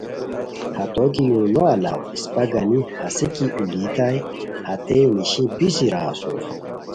ہتو کی یو نے الاؤ اسپہ گانی ہسے کی اولیتائے ہتیئے نیشی بیسی را اسور